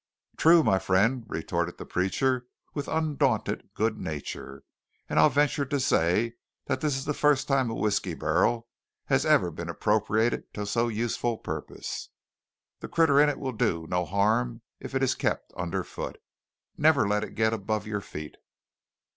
"True, my friend," retorted the preacher with undaunted good nature, "and I'll venture to say this is the first time a whiskey barrel has ever been appropriated to so useful a purpose. The critter in it will do no harm if it is kept underfoot. Never let it get above your feet!"